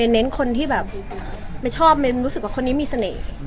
เน้นคนที่แบบไม่ชอบรู้สึกว่าคนนี้มีเสน่ห์